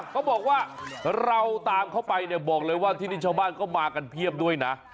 เขาบอกว่าเราตามเขาไปเนี่ยบอกเลยว่าที่นี่ชาวบ้านก็มากันเพียบด้วยนะ